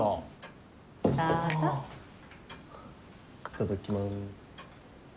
いただきます。